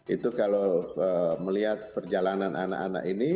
itu kalau melihat perjalanan anak anak ini